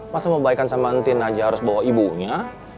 masa mau baikan sama antin aja harus bawa ibunya